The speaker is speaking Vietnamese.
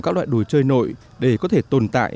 các loại đồ chơi nội để có thể tồn tại